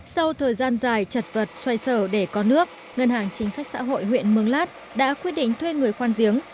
sau thời gian dài chật vật xoay sở để có nước ngân hàng chính sách xã hội huyện mường lát đã quyết định thuê người khoan giếng